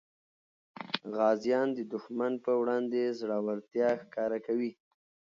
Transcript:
غازیان د دښمن په وړاندې زړورتیا ښکاره کوي.